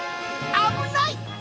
あぶない！